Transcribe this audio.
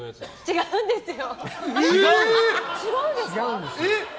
違うんですよ！